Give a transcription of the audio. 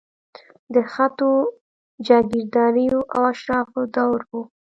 د سختو جاګیرداریو او اشرافو دور و.